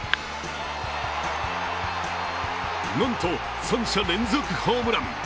なんと、３者連続ホームラン。